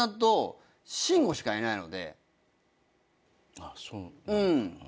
あっそうなんだ。